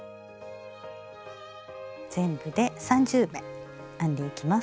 全部で３０目編んでいきます。